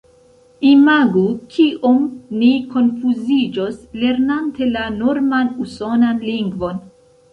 Imagu, kiom ni konfuziĝos, lernante la norman usonan lingvon!